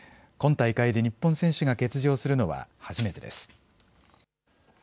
今大会で日本選手が欠場するのは初めてです。